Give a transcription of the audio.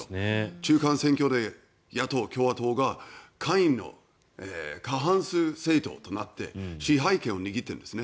中間選挙で野党・共和党が下院の過半数政党となって支配権を握っているんですね。